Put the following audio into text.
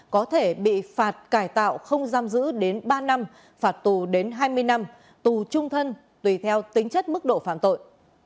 có thể bị phạt cải tạo không giam giữ đến ba năm phạt tù đến hai mươi năm tù trung thân tùy theo tính chất mức độ phạm tội